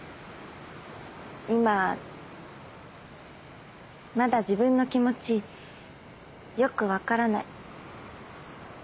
今まだ自分の気持ちよくわからない。